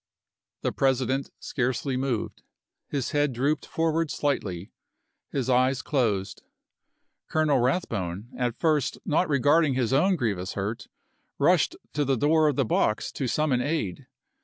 The President scarcely moved ; his head drooped forward slightly, his eyes closed. Colonel Eath bone, at first not regarding his own grievous hurt, rushed to the door of the box to summon aid.